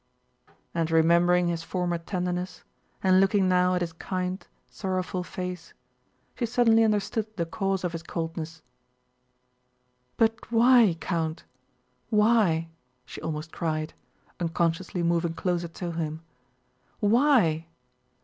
And remembering his former tenderness, and looking now at his kind, sorrowful face, she suddenly understood the cause of his coldness. "But why, Count, why?" she almost cried, unconsciously moving closer to him. "Why?